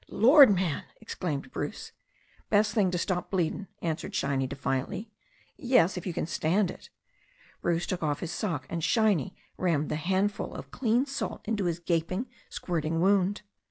"Lord ! man," exclaimed Bruce. "Best thing to stop bleedin'," answered Shiny defiantly. "Yes, if you can stand it." Bruce took off his sock, and Shiny rammed the handful of clean salt into his gaping, squirting wound.